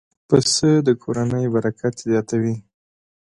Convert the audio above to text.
پسه د کورنۍ برکت زیاتوي.